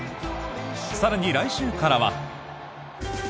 更に、来週からは。